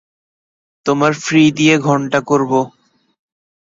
তোমার ফ্রী দিয়া ঘন্টা করব!